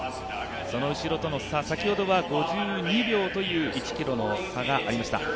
その後ろとの差先ほどは５２秒という１ｋｍの差がありました。